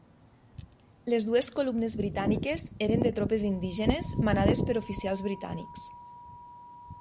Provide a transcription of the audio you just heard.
Les dues columnes britàniques eren de tropes indígenes manades per oficials britànics.